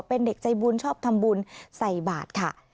เป็นเด็กใจบุญชอบทำบุญใส่บาทค่ะ